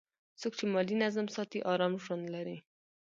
څوک چې مالي نظم ساتي، آرام ژوند لري.